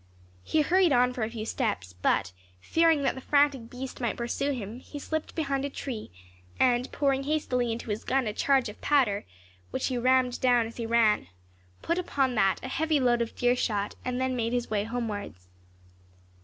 He hurried on for a few steps, but fearing that the frantic beast might pursue him, he slipped behind a tree, and pouring hastily into his gun a charge of powder, which he rammed down as he ran, put upon that a heavy load of deer shot, and then made his way homewards.